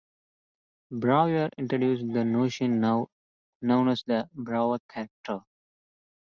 Brauer introduced the notion now known as the Brauer character.